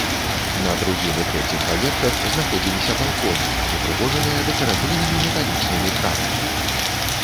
На другім і трэцім паверхах знаходзіліся балконы, упрыгожаныя дэкаратыўнымі металічнымі кратамі.